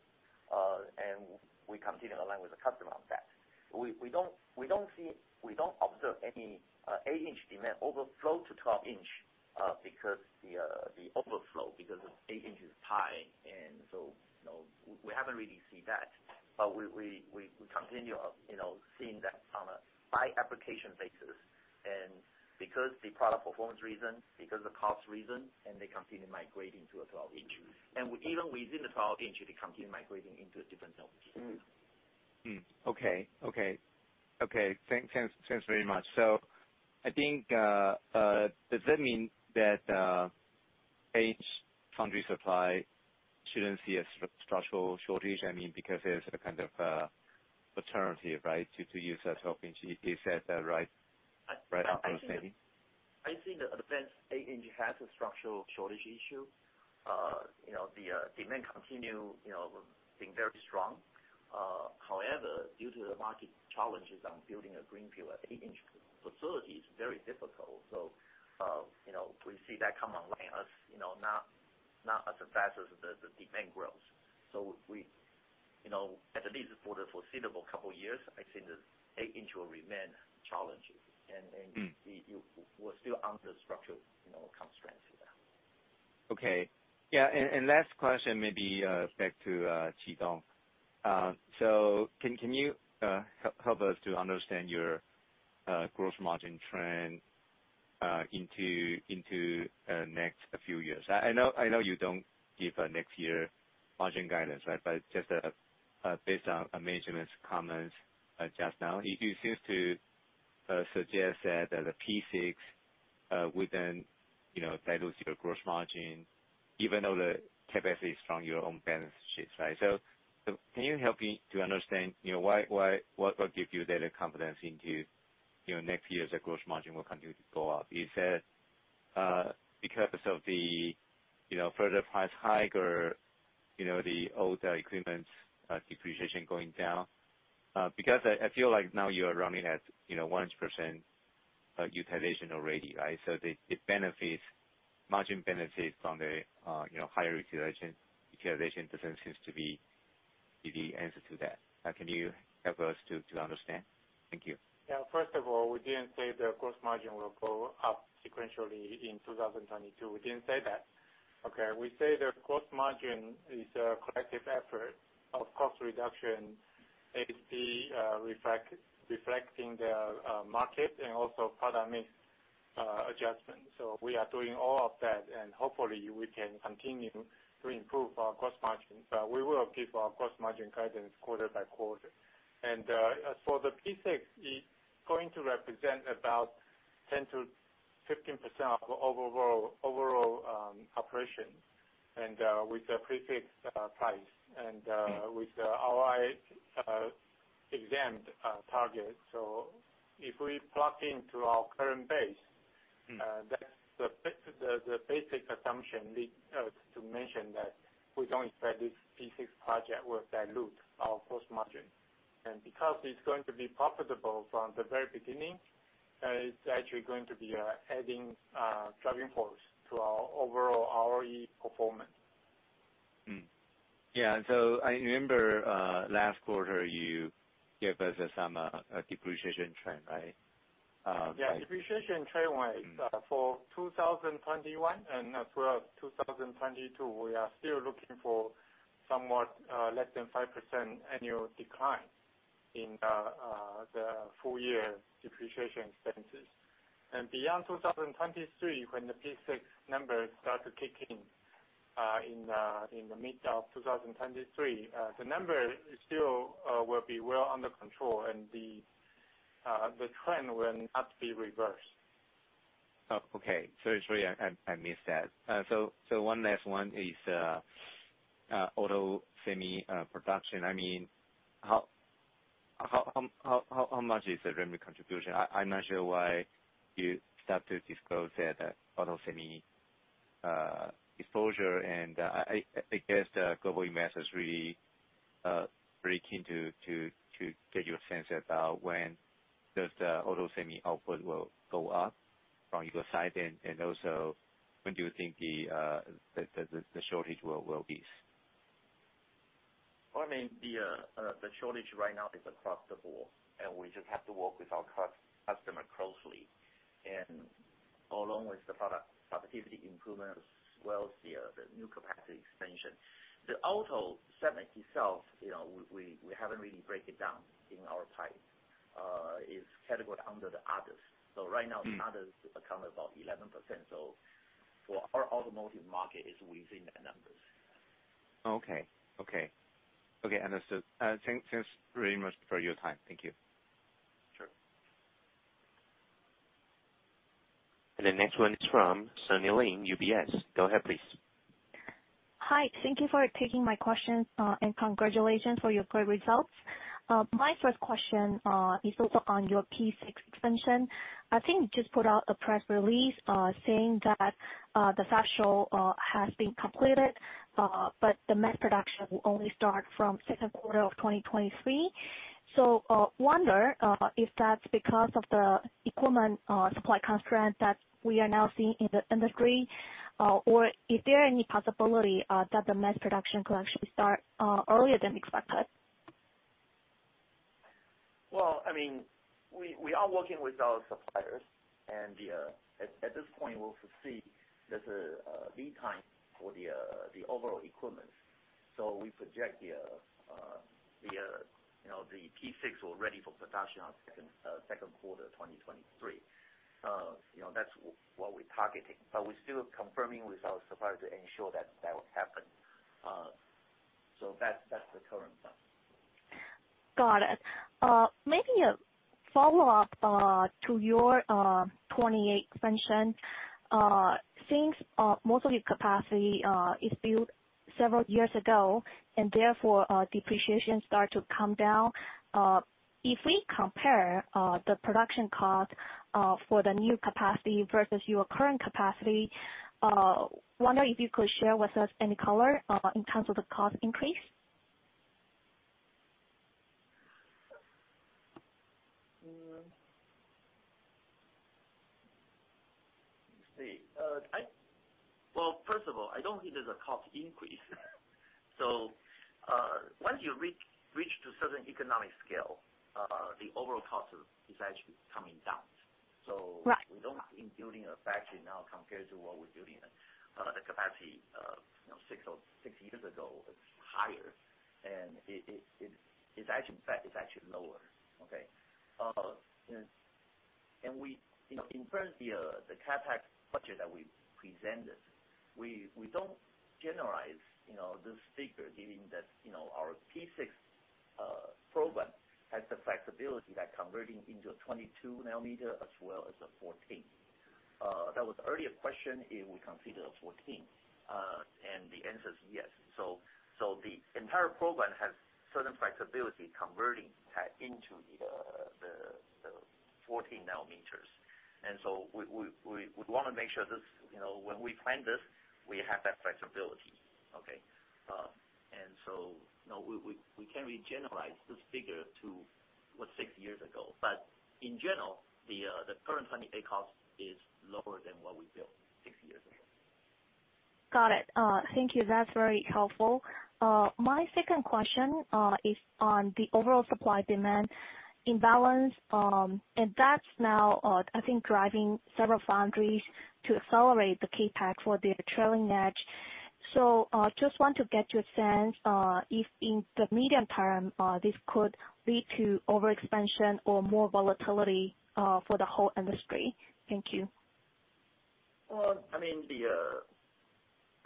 Speaker 4: We continue to align with the customer on that. We don't observe any 8-inch demand overflow to 12-inch because the overflow of 8-inch is high. We haven't really seen that. We continue seeing that on a by-application basis because of the product performance reason, because of the cost reason, and they continue migrating to a 12-inch. Even within the 12-inch, they continue migrating into different zones.
Speaker 10: Okay. Thanks very much. So I think does that mean that 8-inch foundry supply shouldn't see a structural shortage? I mean, because there's a kind of alternative, right, to use a 12-inch? Is that right understanding?
Speaker 4: I think the advanced 8-inch has a structural shortage issue. The demand continues being very strong. However, due to the market challenges on building a greenfield at 8-inch facilities, it's very difficult, so we see that come online as not as fast as the demand grows, so at least for the foreseeable couple of years, I think the 8-inch will remain challenging, and we're still under structural constraints. Yeah.
Speaker 10: Okay. Yeah, and last question, maybe back to Chitung. So can you help us to understand your gross margin trend into the next few years? I know you don't give a next year margin guidance, but just based on management's comments just now, it seems to suggest that the P6 wouldn't dilute your gross margin even though the CapEx is from your own balance sheet. Right? So can you help me to understand what gives you that confidence into next year's gross margin will continue to go up? Is that because of the further price hike or the old equipment depreciation going down? Because I feel like now you are running at 1% utilization already, right? So the margin benefit from the higher utilization doesn't seem to be the answer to that. Can you help us to understand? Thank you.
Speaker 3: Yeah. First of all, we didn't say the gross margin will go up sequentially in 2022. We didn't say that. Okay? We say the gross margin is a collective effort of cost reduction, ASP reflecting the market, and also product mix adjustment. So we are doing all of that, and hopefully, we can continue to improve our gross margin. But we will keep our gross margin guidance quarter by quarter. And for the P6, it's going to represent about 10%-15% of the overall operation and with the prefixed price and with our EBITDA target. So if we plug into our current base, that's the basic assumption to mention that we don't expect this P6 project will dilute our gross margin. And because it's going to be profitable from the very beginning, it's actually going to be an added driving force to our overall ROE performance.
Speaker 10: Yeah. So I remember last quarter, you gave us some depreciation trend, right?
Speaker 3: Yeah. Depreciation trend-wise, for 2021 and as well as 2022, we are still looking for somewhat less than 5% annual decline in the full-year depreciation expenses, and beyond 2023, when the P6 numbers start to kick in in the mid of 2023, the number still will be well under control, and the trend will not be reversed.
Speaker 10: Okay. Sorry. I missed that. So one last one is auto semi production. I mean, how much is the revenue contribution? I'm not sure why you start to disclose that auto semi exposure. And I guess the global investors are really keen to get your sense about when does the auto semi output will go up from your side. And also, when do you think the shortage will ease?
Speaker 4: I mean, the shortage right now is across the board, and we just have to work with our customer closely. Along with the productivity improvement as well as the new capacity expansion, the auto segment itself, we haven't really broken down in our pipeline. It's categorized under the others. Right now, the others account about 11%. For our automotive market, it's within that numbers.
Speaker 10: Okay. Okay. Okay. Understood. Thanks very much for your time. Thank you.
Speaker 4: Sure.
Speaker 1: The next one is from Sunny Lin, UBS. Go ahead, please.
Speaker 11: Hi. Thank you for taking my questions and congratulations for your great results. My first question is also on your P6 expansion. I think you just put out a press release saying that the factory has been completed, but the mass production will only start from the Q2 of 2023. So I wonder if that's because of the equipment supply constraint that we are now seeing in the industry, or is there any possibility that the mass production could actually start earlier than expected?
Speaker 4: Well, I mean, we are working with our suppliers, and at this point, we'll foresee there's a lead time for the overall equipment. So we project the P6 will be ready for production in the Q2 of 2023. That's what we're targeting. But we're still confirming with our suppliers to ensure that that will happen. So that's the current.
Speaker 11: Got it. Maybe a follow-up to your 28 expansion. Since most of your capacity is built several years ago, and therefore, depreciation starts to come down, if we compare the production cost for the new capacity versus your current capacity, I wonder if you could share with us any color in terms of the cost increase?
Speaker 4: Let me see. Well, first of all, I don't think there's a cost increase. So once you reach to a certain economic scale, the overall cost is actually coming down. So we don't see building a factory now compared to what we're building the capacity six years ago. It's higher, and it's actually lower. Okay? And in terms of the CapEx budget that we presented, we don't generalize this figure, given that our P6 program has the flexibility by converting into a 22-nanometer as well as a 14-nanometer. That was the earlier question if we consider a 14-nanometer. And the answer is yes. So the entire program has certain flexibility converting into the 14-nanometer. And so we want to make sure when we plan this, we have that flexibility. Okay? And so we can't really generalize this figure to what six years ago. But in general, the current 28 cost is lower than what we built six years ago.
Speaker 11: Got it. Thank you. That's very helpful. My second question is on the overall supply demand imbalance, and that's now, I think, driving several foundries to accelerate the CapEx for their trailing edge, so I just want to get your sense if in the medium term, this could lead to overexpansion or more volatility for the whole industry. Thank you.
Speaker 4: I mean,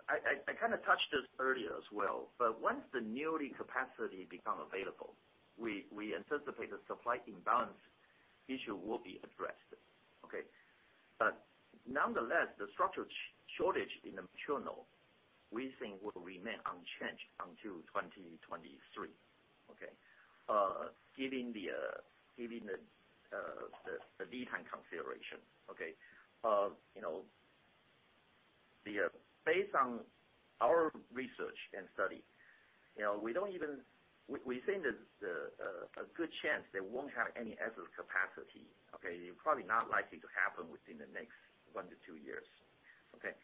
Speaker 4: I kind of touched this earlier as well. But once the new capacity becomes available, we anticipate the supply imbalance issue will be addressed. Okay? But nonetheless, the structural shortage in the materials we think will remain unchanged until 2023, okay, given the lead time consideration. Okay? Based on our research and study, we think there's a good chance they won't have any excess capacity. Okay? It's probably not likely to happen within the next one to two years. Okay?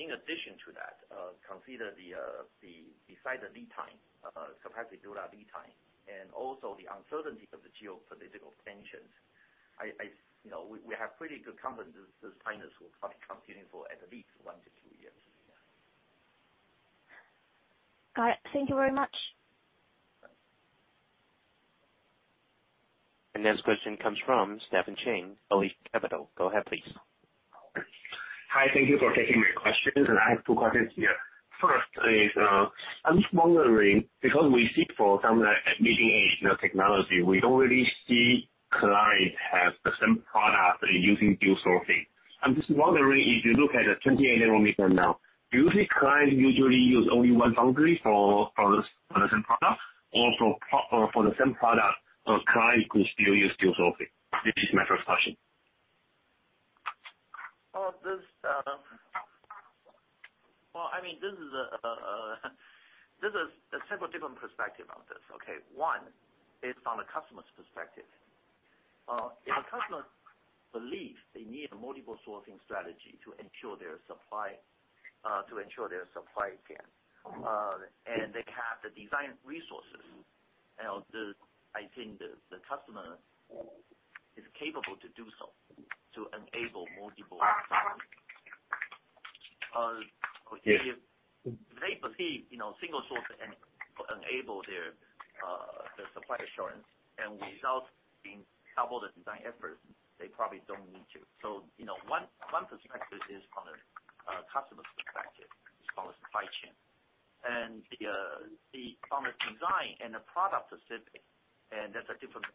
Speaker 4: In addition to that, consider the lead time, capacity build-out lead time, and also the uncertainty of the geopolitical tensions. We have pretty good confidence this tightness will probably continue for at least one to two years.
Speaker 11: Got it. Thank you very much.
Speaker 1: The next question comes from Stephen Chin, Elisha Capital. Go ahead, please.
Speaker 12: Hi. Thank you for taking my question. And I have two questions here. First is, I'm just wondering, because we see for some emerging technology, we don't really see clients have the same product using dual sourcing. I'm just wondering, if you look at the 28-nanometer now, do you think clients usually use only one foundry for the same product? Or for the same product, a client could still use dual sourcing? This is my first question.
Speaker 4: Well, I mean, this is several different perspectives on this. Okay? One, based on the customer's perspective. If the customer believes they need a multiple sourcing strategy to ensure their supply chain, and they have the design resources, I think the customer is capable to do so to enable multiple sourcing. If they believe single source and enable their supply assurance, and without double the design effort, they probably don't need to. So one perspective is from the customer's perspective as far as supply chain. And from the design and the product specific, and that's a different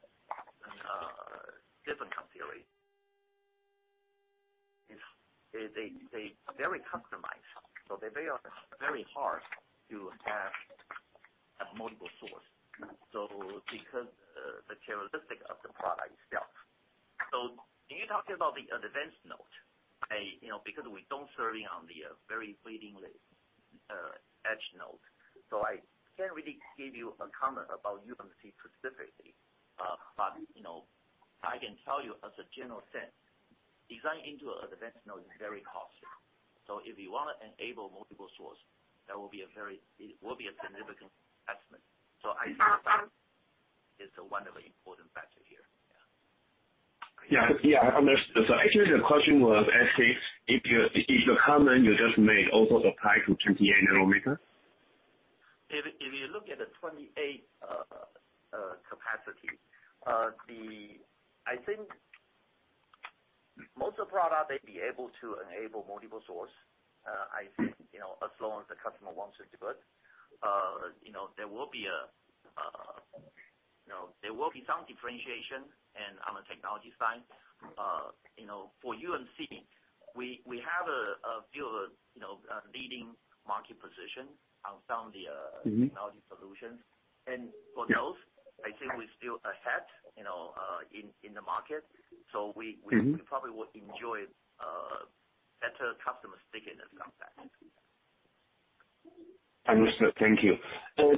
Speaker 4: consideration. They're very customized. So they're very hard to have multiple sources because of the characteristics of the product itself. So can you talk about the advanced node? Because we don't serve the very bleeding edge node. So I can't really give you a comment about UMC specifically. But I can tell you as a general sense, design into an advanced node is very costly. So if you want to enable multiple sources, that will be a very significant investment. So I think that is one of the important factors here. Yeah.
Speaker 12: Yeah. Understood. So actually, the question was, if the comment you just made also applies to 28-nanometer?
Speaker 4: If you look at the 28 capacity, I think most of the product, they'd be able to enable multiple sources, I think, as long as the customer wants it to do it. There will be some differentiation on the technology side. For UMC, we have a leading market position on some of the technology solutions. And for those, I think we're still ahead in the market. So we probably will enjoy better customer stickiness on that.
Speaker 12: Understood. Thank you.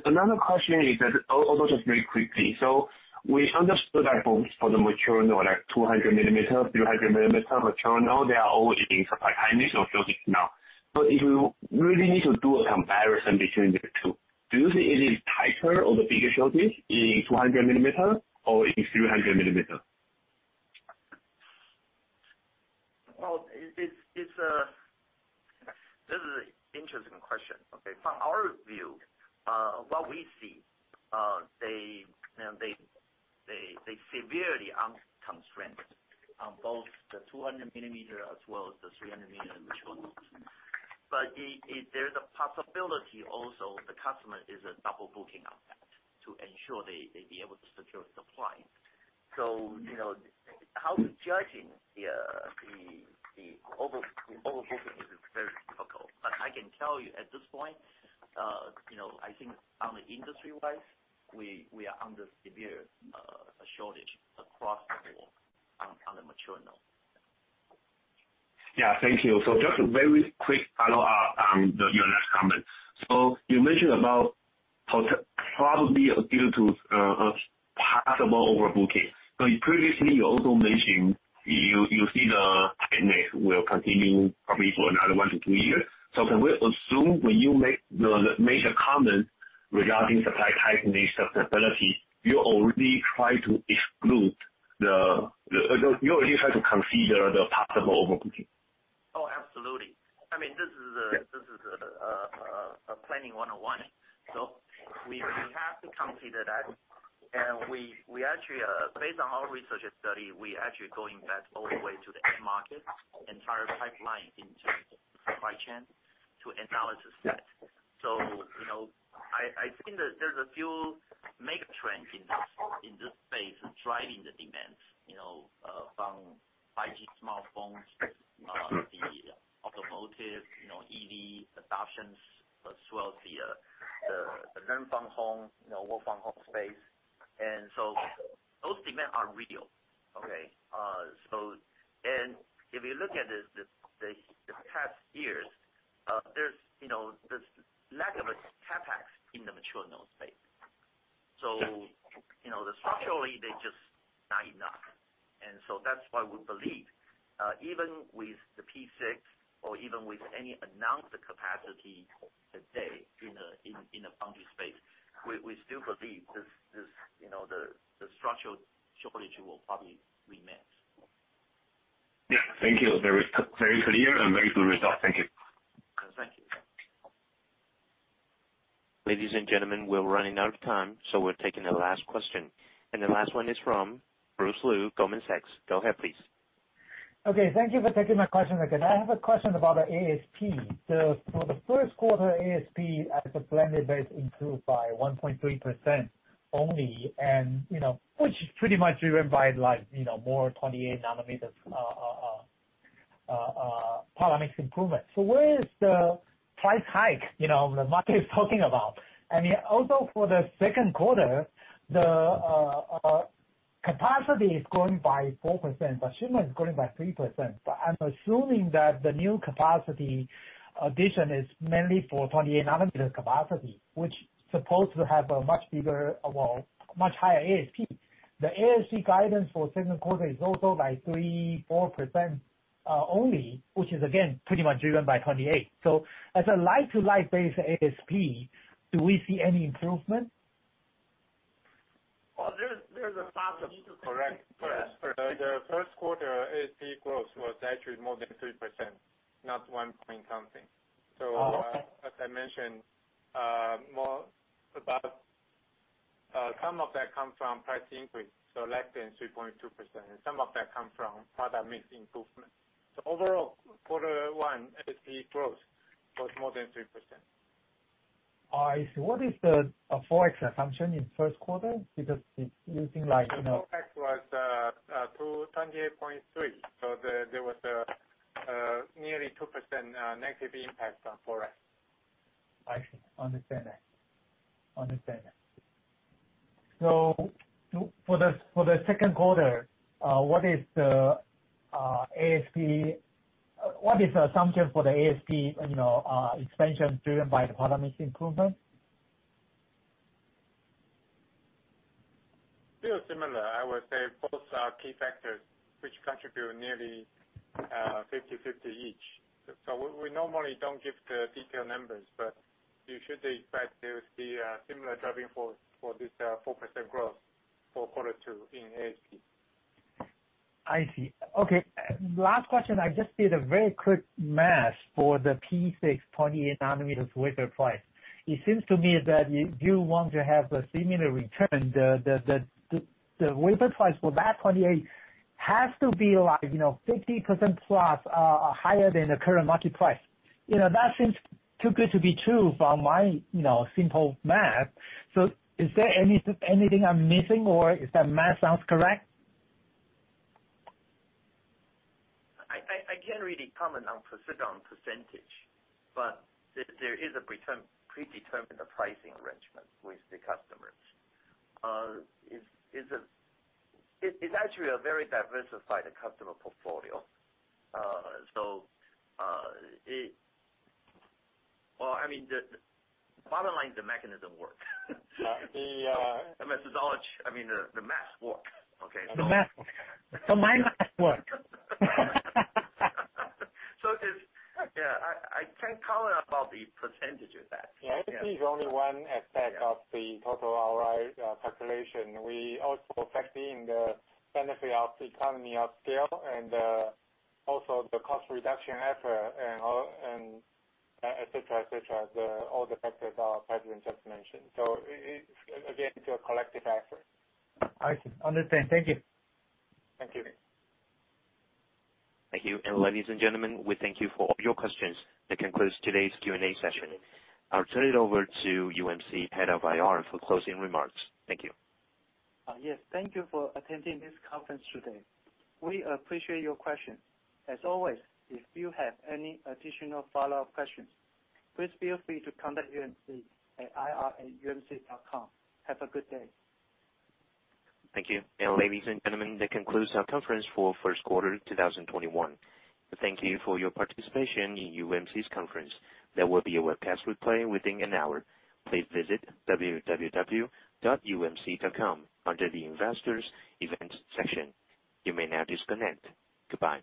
Speaker 12: Another question is that, although just very quickly, so we understood that for the mature node, like 200-millimeter, 300-millimeter mature node, they are all in short supply, high demand shortage now. But if we really need to do a comparison between the two, do you think it is tighter or the bigger shortage in 200-millimeter or in 300-millimeter?
Speaker 4: Well, this is an interesting question. Okay? From our view, what we see, they're severely constrained on both the 200-millimeter as well as the 300-millimeter mature node. But there's a possibility also the customer is a double booking on that to ensure they'd be able to secure supply. So how to judge the overbooking is very difficult. But I can tell you at this point, I think on the industry-wise, we are under severe shortage across the board on the mature node.
Speaker 12: Yeah. Thank you. So just a very quick follow-up on your last comment. So you mentioned about probably due to possible overbooking. So previously, you also mentioned you see the tightness will continue probably for another one to two years. So can we assume when you make the major comment regarding supply tightness, sustainability, you already try to consider the possible overbooking?
Speaker 4: Oh, absolutely. I mean, this is the Planning 101, so we have to consider that, and based on our research and study, we actually go into that all the way to the end market, entire pipeline into supply chain too. Analyze that, so I think that there's a few mega trends in this space driving the demands from 5G smartphones, the automotive, EV adoptions, as well as the smart home, all-smart home space, and so those demands are real, okay? And if you look at the past years, there's this lack of CapEx in the mature node space, so structurally, they're just not enough, and so that's why we believe even with the P6 or even with any announced capacity today in the foundry space, we still believe the structural shortage will probably remain.
Speaker 12: Yeah. Thank you. Very clear and very good result. Thank you.
Speaker 4: Thank you.
Speaker 1: Ladies and gentlemen, we're running out of time. So we're taking the last question. And the last one is from Bruce Lu, Goldman Sachs. Go ahead, please.
Speaker 6: Okay. Thank you for taking my question. Can I have a question about the ASP? For the Q1, ASP on the blended basis improved by 1.3% only, which is pretty much driven by more 28-nanometer power mix improvement. So where is the price hike the market is talking about? And also for the Q2, the capacity is growing by 4%. Consumption is growing by 3%. But I'm assuming that the new capacity addition is mainly for 28-nanometer capacity, which is supposed to have a much higher ASP. The ASP guidance for the Q2 is also like 3%-4% only, which is, again, pretty much driven by 28. So as a like-to-like-based ASP, do we see any improvement?
Speaker 3: There is a possible correction. The Q1 ASP growth was actually more than 3%, not 1 point something. So as I mentioned, some of that comes from price increase, so less than 3.2%. And some of that comes from product mix improvement. So overall, quarter one, ASP growth was more than 3%.
Speaker 6: I see. What is the FOREX assumption in Q1? Because it's using like.
Speaker 3: FOREX was 28.3, so there was nearly 2% negative impact on FOREX.
Speaker 6: I see. Understand that. So for the Q2, what is the ASP? What is the assumption for the ASP expansion driven by the product mix improvement?
Speaker 3: Still similar. I would say both are key factors which contribute nearly 50/50 each. So we normally don't give the detailed numbers, but you should expect to see a similar driving force for this 4% growth for quarter two in ASP.
Speaker 6: I see. Okay. Last question. I just did a very quick math for the P6 28-nanometer wafer price. It seems to me that if you want to have a similar return, the wafer price for that 28 has to be like 50% plus higher than the current market price. That seems too good to be true from my simple math. So is there anything I'm missing, or is that math sounds correct?
Speaker 4: I can't really comment on percentage, but there is a predetermined pricing arrangement with the customers. It's actually a very diversified customer portfolio. I mean, bottom line, the mechanism works. I mean, the math works. Okay?
Speaker 6: The math. So my math works.
Speaker 4: So yeah, I can't comment about the percentage of that. I think the net effect of the total ROI calculation. We also factor in the benefit of economy of scale and also the cost reduction effort, etc., etc. All the factors that Chitung just mentioned. So again, it's a collective effort.
Speaker 6: I see. Understand. Thank you.
Speaker 4: Thank you.
Speaker 1: Thank you, and ladies and gentlemen, we thank you for all your questions. That concludes today's Q&A session. I'll turn it over to UMC head of IR for closing remarks. Thank you.
Speaker 2: Yes. Thank you for attending this conference today. We appreciate your questions. As always, if you have any additional follow-up questions, please feel free to contact UMC at ir@umc.com. Have a good day.
Speaker 1: Thank you, and ladies and gentlemen, that concludes our conference for Q1 2021. Thank you for your participation in UMC's conference. There will be a webcast replay within an hour. Please visit www.umc.com under the Investors Events section. You may now disconnect. Goodbye.